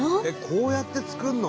こうやって作るの？